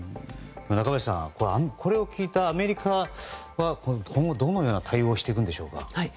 中林さん、これを聞いたアメリカは今後、どのような対応をしていくんでしょうか。